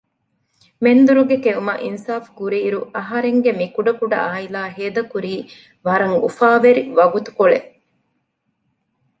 މެންދުރުގެ ކެއުމަށް އިންސާފުކުރިއިރު އަހަރެންގެ މި ކުޑަކުޑަ އާއިލާ ހޭދަކުރީ ވަރަށް އުފާވެރި ވަގުތުކޮޅެއް